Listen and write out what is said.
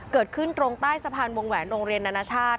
เกิดขึ้นตรงใต้สะพานวงแหวนโรงเรียนนานาชาติ